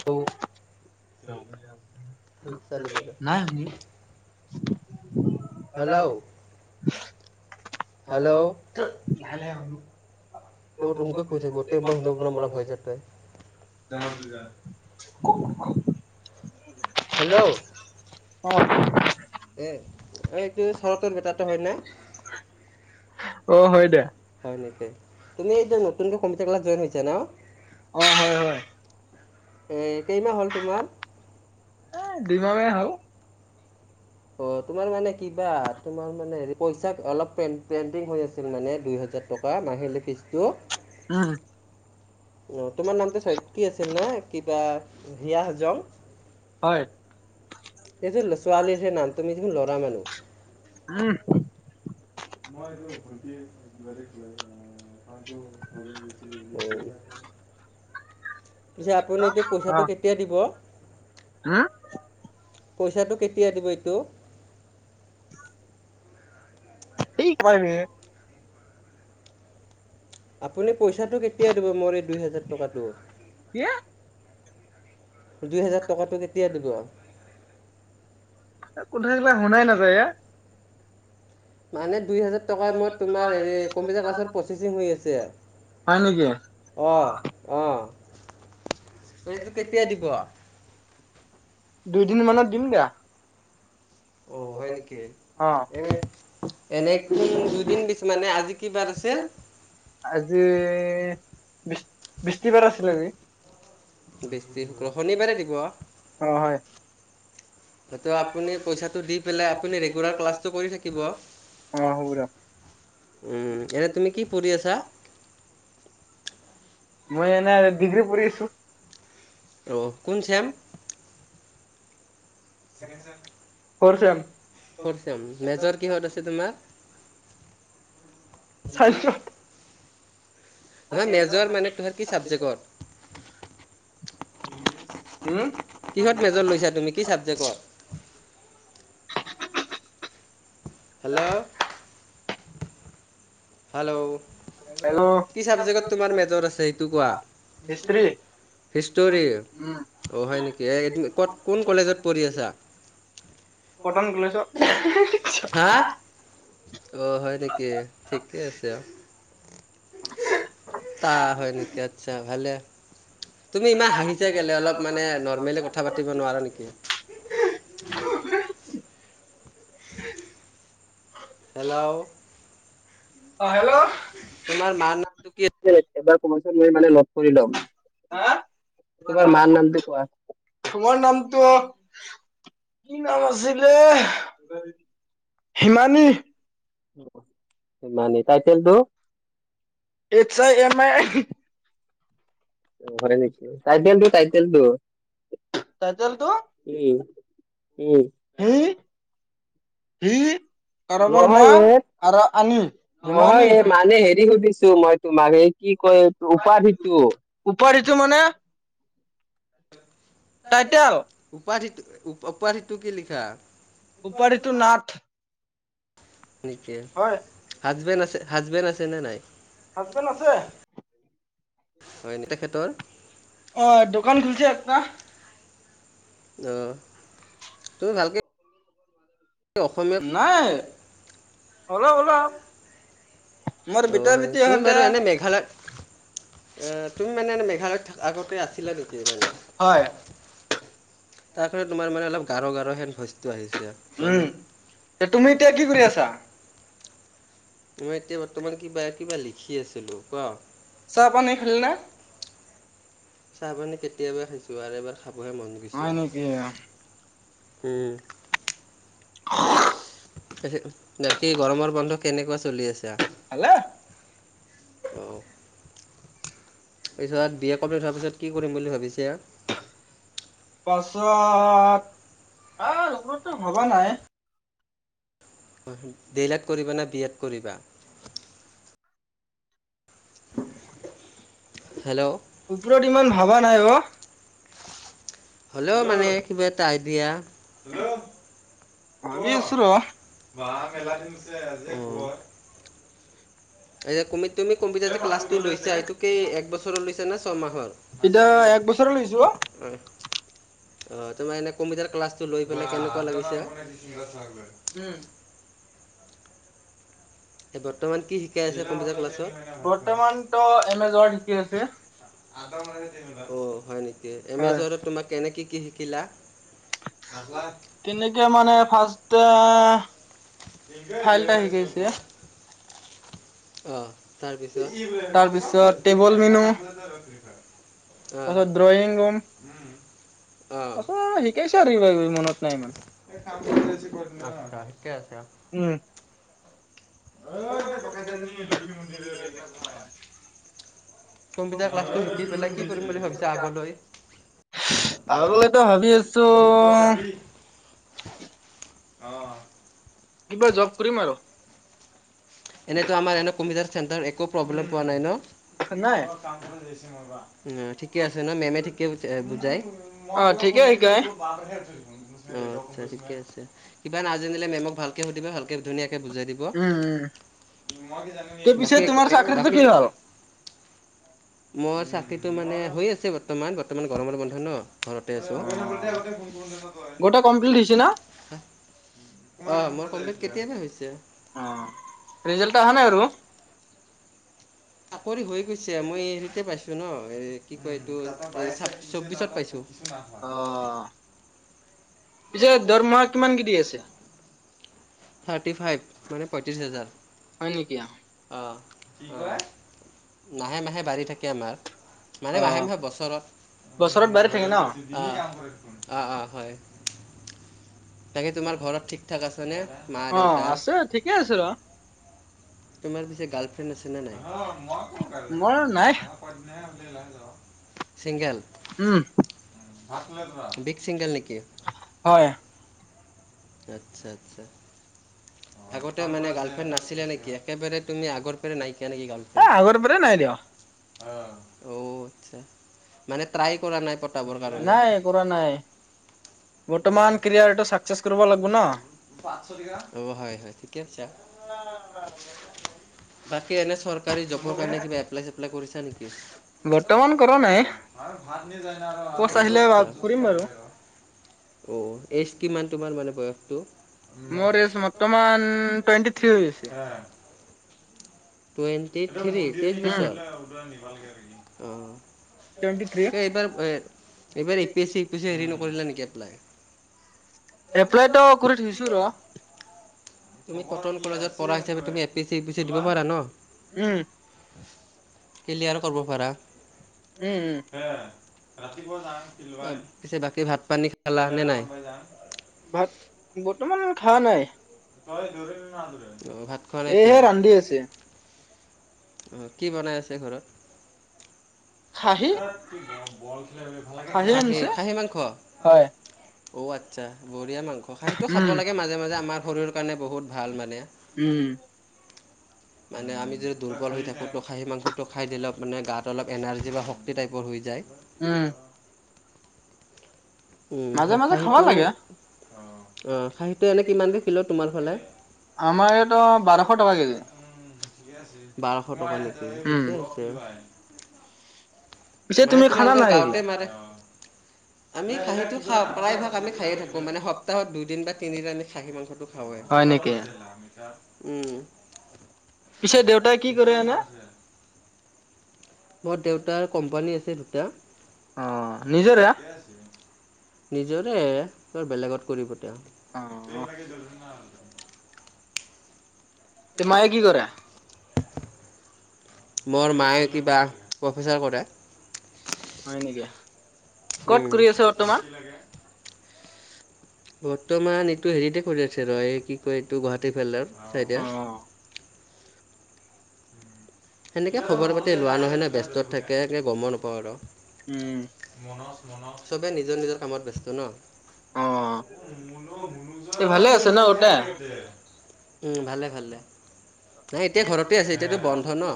[unintelligible] নাই hello hello লাহে লাহে ক তেওঁ দুমোখট পৰি থাকিব, তেই মই [unintelligible] [unintelligible] হেল্ল' অৱ। এ অ' এইটো চৰতৰ বেটাটো হয় না। অ' হয় দে। হয় নেকি, তুমি এই যে নতুনকৈ কম্পিটাৰ ক্লাচ জইন হৈছো ন। অৱ হয় হয়। এ কেইমাহ হ'ল তোমাৰ? অ দুই মাহ মান হ'ল। অ তোমাৰ মানে কিবা তোমাৰ মানে হে পইচা অলপ পেইণ্টিং হৈ আছিল মানে দুই হজাৰ টকা মাহিলী ফীজটো। উম। অ তোমাৰ নামটো চয়ত্ৰী আছিল ন কিবা জীয়া হাজং। হয়জোৰ ছোৱালীৰ সেই নাম তুমি দেখোন ল'ৰা মানুহ। উম। মই এইটো ভণ্টি [unintelligible] পিছে আপুনি এইটো পইচাটো কেতিয়া দিব? হো পইচাটো কেতিয়া দিব এইটো! সেই [unintelligible] আপুনি পইচাটো কেতিয়া দিব মোৰ এই দুই হোজাৰ টকাটো? কি? দুই হেজাৰ টকাতটো কেতিয়া দিব? কোনোইবিলাক শুনাই নাযায় এই। মানে দুই হেজাৰ। টকাৰ মই তোমাৰ হৰি কম্পিউটাৰ ক্লাছত প্ৰচেচিং হৈ হয় নেকি আছে। অ আহ, এইটো কেতিয়া দিব? দুইদিন মানত দিম দিয়া। [unintelligible] অ এনেকিং দুদিন দিছো মানে আজি কি বাৰ আছিল? আজি বিচ বিস্তিবাৰ আছিল আজি। বিস্তি, শুক্ৰ, শনিবাৰে দিব! অ হয় সেইটো আপুনি পইচাটো দি পেলাই আপুনি ৰেগুলাৰ ক্লাছটো কৰি থাকিব। অ হ'ব দে এনে তুমি কি পঢ়ি আছা? মই এনে ডিগ্ৰী পঢ়ি আছো। অঁ কোন চেম ঠিক আছে, fourth sem fourth sem. Fourth sem, major কিহত আছে তোমাৰ? [unintelligible] নহয় মেজৰ মানে তোমাৰ কি চাবজেক্টত [unintelligible] হুওম কিহত মেজৰ লৈছা তুমি কি ছাবজেক্টত? হেল্ল' হেল্ল' হেল্ল' কি চাবজেক্টত তোমাৰ মেজৰ আছে সেইটো কোৱা? হিষ্ট্ৰী হিষ্টৰী উম অ হয় নেকি এই ক'ত কোন কলেজত পঢ়ি আছা কটন কলেজত হা অ হয় নেকি ঠিকে আছে আও। তা হয় নেকি আচ্ছা ভালে। তুমি ইমান হাঁহিছা কেলে অলপ মানে নৰ্মেলি কথা পাতিব নোৱাৰা নেকি। [unintelligible] হেল্ল' অ হেল্ল' তোমাৰ মাৰ নামটো কি আছিল [unintelligible] এবাৰ কবাচোন মই মানে লগ কৰি ল'ম হা তোমাৰ মাৰ নামটো কোৱা তো মাৰ নামটো কি নাম আছিলে হিমানী। হিমানী টাইটেলটো এচ আই এম আই ঘৰে নিকি টাইটেলটো টাইটেলটো টাইটেল টো ইম, উম এ এ নহয় এ' নহয় এ' মানে হেৰি সুধিছো মই তোমাৰ সেই কি কয় উপাধিটো। উপধিটো মানে টাইটেল উপাধিটো উপাধিটো কি লিখা? উপাধিটো নাথ। নেকি হয় হাজবেণ্ড আছে হাজবেণ্ড আছে নে নাই? হাজবেণ্ড আছে। হয় নি তেখেতৰ অ', দোকান খুলিছে একটা। ত তুমি ভালকে অসমীয়াত নাই অলপ অলপ আও অ', হয় তুমি বাৰু এনে মেঘালয়ত অ', তুমি মানে এনে মেঘালয়ত আগতে আছিলা নেকি মানে? হয়। তাৰ কাৰণে তোমাৰ মানে অলপ গাঢ় গাঢ় হেন ভইচটো আহিছে। উম মানে তুমি এতিয়া কি কৰি আছা? মই এতিয়া বত- বৰ্তমান কিবা কিবা লিখি আছিলো কোৱা। চাহ পানী খালি নে চাহ পানি কেতিয়াবাই খাইছো আৰু এবাৰ খাবহে মন গৈছে হয় নেকি আও ওম। এহে বাকী গৰমৰ বন্ধ কেনেকুৱা চলি আছে? খালে অহ পিছত বি এ কমপ্লিট হোৱাৰ পিছত কি কৰিম বুলি ভাবিছা? পাছত আ, [unintelligible] টো ভবা নাই। ডি এল এড কৰিবা নে বি এড কৰিবা? হেল্ল' ওপৰত ইমান ভবা নাই অ'। হ'লেও মানে কিবা এটা আইডিয়া হেল্ল', ভাবি ক' আছো ৰ বা মেলা দিনছে আজি [unintelligible] এই তুমি তুমি কম্পিউটাৰ যক্লাছটো লৈছা এইটো কি এক বছৰৰ লৈছা নে ছয়মাহৰ? এতিয়া এক বছৰৰ লৈছো অ'। হয় অ' তোমাৰ এনে কম্পিউটাৰ ক্লাছটো লৈ পেলাই কেনেকুৱা লাগিছে? উম' এই বৰ্তমান কি শিকাই আছে কম্পিউটাৰ ক্লাছত? বৰ্তমানতো এম এ যোৱাৰ শিকি আছে অ', হয় নেকি হয় এমেজনত তোমাক কেনেকে কি শিকিলা? তেনেকে মানে ফাৰ্ষ্ট ফাইল এটা শিকাইছে [unintelligible] [unintelligible] [unintelligible] [unintelligible] অ', তাৰপিছত অ', উম, তাৰপিছত টেবল মেনু তাৰপিছত ড্ৰয়িং ৰুম অ', তাৰপিছত শিকাইছে আৰু কিবা কিবি মনত নাই ইমান ঠিকে আছে অ', উম, অ', এতিয়া পকাইছে [unintelligible] [unintelligible] কি কৰিম বুলি ভাবিছা [unintelligible] আগলৈ আগলৈতো ভাবি আছো অ', কিবা জব কৰিম আৰু। এনেইতো আমাৰ এনে কম্পিউটাৰ চেণ্টাৰ একো প্ৰব্লেম পোৱা নাই ন? নাই উম, ঠিকে আছে ন' মেমে ঠিকে বুজাই? অ', অ ঠিকে শিকাই আচ্ছা ঠিকে আছে কিবা নাজানিলে মেমক ভালকে সুধিবা ভালকে ধুনীয়াকে বুজাই দিব উম, উম, ত পিছে বাকী তোমাৰ চাকৰিটো কি বাকীটো হ'ল মোৰ চাকৰিটো মানে হৈ আছে বৰ্তমান বৰ্তমান গৰমত বন্ধ ন'। ঘৰতে আছো অ', মোৰ গোটেই কমপ্লিট হৈছে না কমপিলিত কেতিয়াবাই হৈছে অ', ৰিজাল্ট অহা [unintelligible] নাই আৰু [unintelligible] আকৰি হৈ গৈছে মই হেৰিতে পাইছোঁ ন' এই কি কয় এইটো চৌবিশট পাইছো। অ পিছে দৰমহা কিমান কে দি আছে? থাৰ্টি ফাইভ মানে পঁইত্ৰিশ হাজাৰ হয় নেকি অ অ', অ', মাহে মাহে বাঢ়ি থাকে আমাৰ মানে মাহে মাহে বছৰত বছৰত বাঢ়ি থাকে ন অ' অ' অ' হয়। তাকে তোমাৰ ঘৰত ঠিক ঠাক আছেনে মা দেউতাৰ থিকেই আছে ৰ' তোমাৰ পিছে গাৰ্লফ্ৰেণ্ড আছে নে নাই? মোৰ নাই [unintelligible] চিংগেল উম [unintelligible] বিগ চিংগেল নেকি? হয় [unintelligible] আচ্ছা-আচ্ছা [inaudible] আগতে মানে গাৰ্লফ্ৰেণ্ড নাছিলে নেকি? একেবাৰে তুমি আগৰ পৰাই নাইকিয়া নেকি এ আগৰ গাৰ্লফ্ৰেণ্ড? পৰাই নাই দিয় [unintelligible] [unintelligible] অ আচ্ছা মানে ট্ৰাই কৰা নাই পতাবৰ কাৰণে নাই কৰা নাই [unintelligible] বৰ্তমান কেৰিয়াৰটো চাকচেছ কৰিব লাগিব ন? [unintelligible] [unintelligible] অ হয়-হয় ঠিকে আছে। উম [unintelligible] বাকী এনেই চৰকাৰী জবৰ কাৰণে কিবা এপলাই-চেপলাই কৰিছা নেকি? [unintelligible] বৰ্তমান কৰা নাই। পষ্ট আহিলে কৰিম বাৰু। [unintelligible] অঁ এইজ কিমান তোমাৰ মানে বয়সটো? [inaudible] উম মোৰ এজ বৰ্ত্তমান বৰ্তমান টুৱেণ্টি তুৱেনতি থ্ৰী হৈ আছে [unintelligible] টুৱেটি থ্ৰী তেইজ উম বছৰ অ টুৱেণ্টি থ্ৰী [unintelligible] এইবাৰ [unintelligible] এইবাৰ এপিএছছি, ইউপিএছছি হেৰি নকৰিলা নেকি এপলাই? এপ্লাইটো কৰি থৈছো ৰ [unintelligible] তুমি কটন কলেজত পঢ়া হিচাপে তুমি এপিএছচি, ইপিএছচি দিব পাৰা ন? উম [unintelligible] ক্লিয়াৰ কৰিব পাৰা। উম উম [unintelligible] পিছে বাকী ভাত-পানী খালা নে নাই? [inaudible] ভাত বৰ্তমান খোৱা নাই। [unintelligible] [unintelligible] ভাত খোৱা নাই এহে এতিয়াও? ৰান্ধি আছে উম! কি বনাই আছে ঘৰত? [inaudible] খাহি [unintelligible] খাহি খাহী, আনিছে খাহী মাংস? হয় [unintelligible] অ আচ্ছা বঢ়িয়া মাংস। সেইটো খাব উম লাগে মাজে-মাজে আমাৰ শৰীৰৰ কাৰণে বহুত ভাল মানে। [unintelligible] উম-উম [unintelligible] হয় [unintelligible] মানে আমি যদি দুৰ্বল হৈ থাকোঁ ত খাহী মাংসটো খাই দিলে অলপ মানে গাত অলপ এনাৰজি বা শক্তি [unintelligible] সেই টাইপৰ হৈ যায়। [unintelligible] উম [inaudible] উম মাজে [unintelligible] মাজে খাব খাহীটো লাগে অঁ খাহীটো এনেই কিমানকৈ কিলো তোমাৰ ফালে? আমাৰ ইয়াতো বাৰশ টকা কেজি [unintelligible] [unintelligible] বাৰশ টকালৈকে। উম, ঠিকে আছে আৰু। পিছে মানে তুমি খানা তোমালোকৰ নাই এইগিলা? গাঁৱতে মাৰে? [unintelligible] আমি খাহীটো খাওঁ, প্ৰায় ভাগ আমি খায়ে থাকো মানে সপ্তাহত দুদিন বা তিনিদিন আমি খাহী মাংসটো [unintelligible] হয় নেকি? খাওঁৱেই [unintelligible] উম! পিছে দেউতাই কি কৰে এনেই? [inaudible] মোৰ দেউতাৰ কোম্পানী আছে দুটা। অ', নিজৰে? [unintelligible] নিজৰে ক'ত বেলেগত কৰিব তেওঁ। অ', [unintelligible] তোৰ মায়ে কি কৰে? [inaudible] মোৰ মায়ে কিবা প্ৰফেচাৰ কৰে। [unintelligible] হয় নেকি? [inaudible] ক'ত উম কৰি আছে বৰ্তমান? [unintelligible] বৰ্তমান এইটো হেৰিতে কৰি আছে ৰ এই কি কয় এইটো গুৱাহাটী ফালৰ চাইদে। [unintelligible] অঁ [inaudible] সেনেকে খবৰ পাতি লোৱা নহয় ন ব্যস্ত থাকে [unintelligible] গমো নাপাওঁ আৰু। উম, চবে নিজৰ নিজৰ কামত ব্যস্ত ন অ এ ভালে আছে ন ওটা ভালে ভালে নাই এতিয়া ঘৰতে আছে এতিয়াতো বন্ধ ন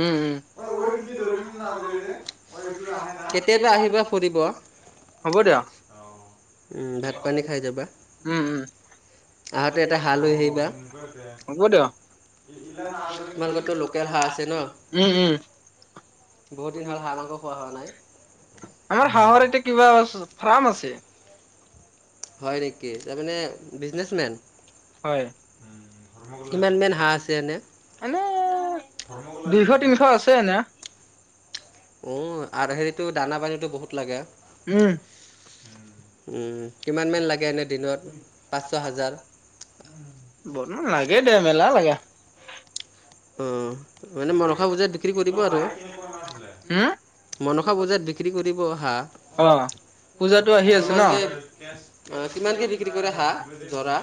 উম, উম, কেতিয়াবা আহিবা ফুৰিব হ'ব দিয়া উ ভাত পানী খাই যাবা উম, উম, আহঁতে এটা হা লৈ আহিবা হ'ব দিয়া। তোমালোকতো লোকেল বা আছে ন উম উম বহুত দিন হ'লে হাঁহ মাংস খোৱা হোৱা নাই আমাৰ হাঁহৰ এতিয়া কিবা ফাৰ্ম আছে হয় নেকি তাৰমানে বিজনেছ মেন হয়, এনে দুইশ তিনিশ আছে এনে উ আৰু হেৰিতটো দানা পানীটো বহুত লাগে উম, উম কিমান মেন লাগে এনে দিনত পাঁচ ছ হাজাৰ বনো লাগে দে মেলা লাগে অ মানে মৰসা পূজাত বিক্ৰী কৰিব আৰু উম, মনসা বজাত বিক্ৰী কৰিব অহা অ', পূজাটো আহি আছে ন? কিমানকে কিমানকে বিক্ৰী কৰে হাঁহ জৰা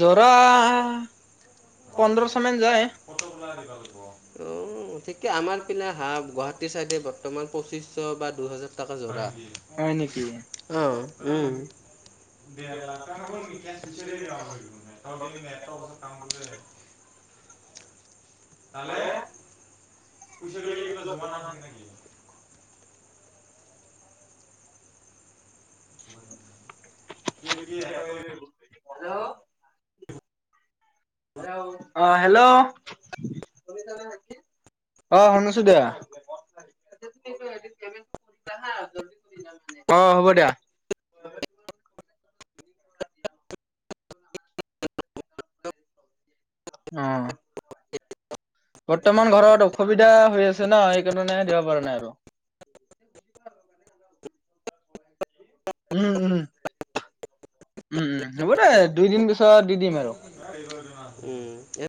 জ্বৰা পোন্ধ ফ লাই দিবা লাগিব অ ঠিকে আমাৰ পি নে হা গুৱাহাটীৰ চাইডে বৰ্তমান পঁচিশ বা দুহজাৰ তাকা জোৰা হয় নেকি অ উম [unintelligible] তালে পইচা [unintelligible] হেল্ল' অ হেল্ল' অ শুনিছো দিয়া অ হ'ব দিয়া [unintelligible] অ বৰ্তমান ঘৰত অসুবিধা হৈ আছে ন সেইকাৰণে দিব পৰা নাই আৰু উম উম উম উম, উম, হ'ব দে দুই দিন পিছত দি দিম আৰু উম